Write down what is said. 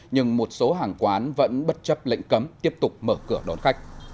nhưng một số hàng quán vẫn bất chấp lệnh cấm tiếp tục mở cửa đón khách